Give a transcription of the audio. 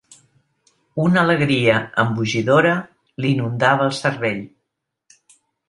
Una alegria embogidora li inundava el cervell.